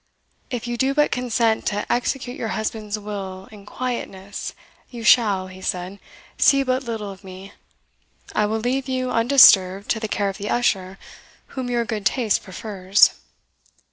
"If you do but consent to execute your husband's will in quietness, you shall," he said, "see but little of me. I will leave you undisturbed to the care of the usher whom your good taste prefers."